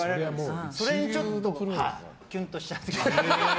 それにちょっとキュンとしちゃって。